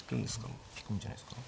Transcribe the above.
引くんじゃないですか。